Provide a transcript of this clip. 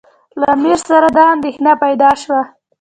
له امیر سره دا اندېښنه پیدا شوه.